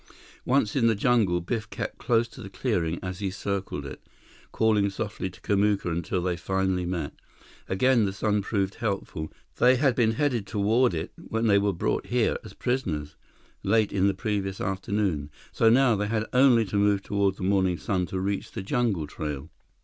Once in the jungle, Biff kept close to the clearing as he circled it, calling softly to Kamuka until they finally met. Again, the sun proved helpful. They had been headed toward it when they were brought here as prisoners, late in the previous afternoon. So now, they had only to move toward the morning sun to reach the jungle trail.